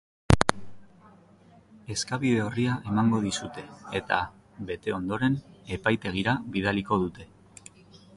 Eskabide-orria emango dizute eta, bete ondoren, epaitegira bidaliko dute.